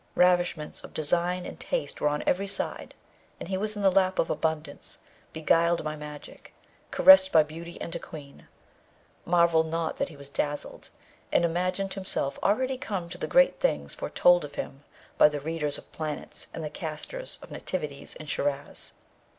Ravishments of design and taste were on every side, and he was in the lap of abundance, beguiled by magic, caressed by beauty and a Queen. Marvel not that he was dazzled, and imagined himself already come to the great things foretold of him by the readers of planets and the casters of nativities in Shiraz.